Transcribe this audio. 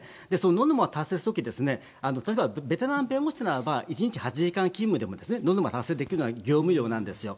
ノルマを達成するとき、例えば、ベテラン弁護士ならば、１日８時間勤務でもノルマ達成できるような業務量なんですよ。